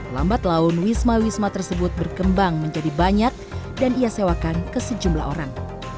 lambat laun wisma wisma tersebut berkembang menjadi banyak dan ia sewakan ke sejumlah orang